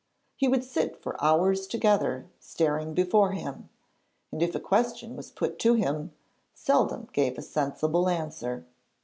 He would sit for hours together staring before him, and if a question was put to him, seldom gave a sensible answer.